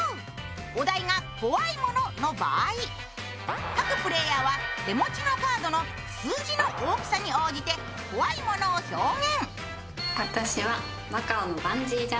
お題が怖いものの場合、斯くプレーヤーは手持ちカードの数字の大きさに応じて怖いものを表現。